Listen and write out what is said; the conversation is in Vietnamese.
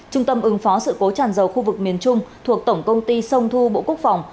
trung tâm ứng phó sự cố tràn dầu khu vực miền trung thuộc tổng công ty sông thu bộ quốc phòng